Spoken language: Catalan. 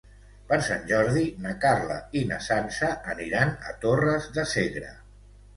Per Sant Jordi na Carla i na Sança aniran a Torres de Segre.